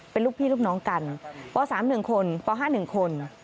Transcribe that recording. เป็นลูกพี่ลูกน้องกันป๓หนึ่งคนป๕หนึ่งคน